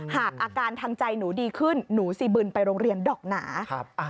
หากอาการทางใจหนูดีขึ้นหนูซีบึนไปโรงเรียนดอกหนา